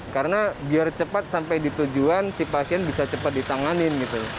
karena biar cepat sampai di tujuan si pasien bisa cepat ditanganin